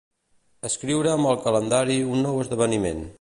Escriure'm al calendari un nou esdeveniment.